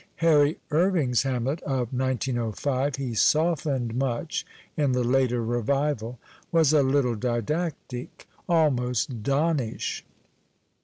Harry Irving's Hamlet (of 1905, he softened mucii in the later revival) was a little didactic, almost donnish.